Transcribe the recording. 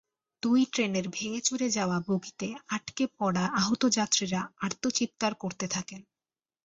দুই ট্রেনের ভেঙেচুরে যাওয়া বগিতে আটকে পড়া আহত যাত্রীরা আর্তচিৎকার করতে থাকেন।